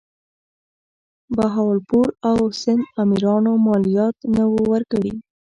بهاولپور او سند امیرانو مالیات نه وه ورکړي.